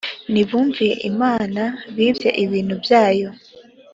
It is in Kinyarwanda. ntibumviye imana bibye ibintu byayo